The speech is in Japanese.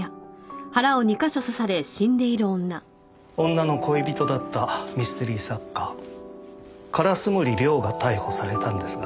女の恋人だったミステリー作家烏森凌が逮捕されたんですが。